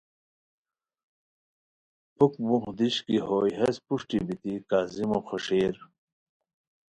پُھک موخ دیشی کی بوئے ہیس پروشٹی بیتی کاظمو خیݰئیر